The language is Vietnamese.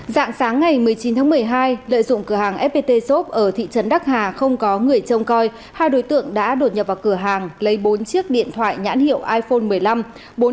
dạng sáng ngày một mươi chín tháng một mươi hai lợi dụng cửa hàng fpt shop ở thị trấn đắc hà không có người trông coi hai đối tượng đã đột nhập vào cửa hàng lấy bốn chiếc điện thoại nhãn hiệu iphone một mươi năm